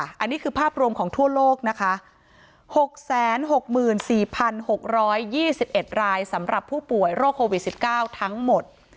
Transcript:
อันนี้คือภาพรวมของทั่วโลกนะคะ๖๖๔๖๒๑รายสำหรับผู้ป่วยโรคโควิด๑๙ทั้งหมด